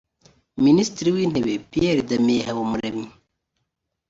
Minisitiri w’Intebe Pierre Damien Habumuremyi